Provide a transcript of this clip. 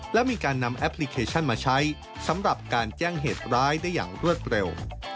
และมีการนำแอปพลิเคชันมาใช้สำหรับการแจ้งเหตุร้ายได้อย่างรวดเร็ว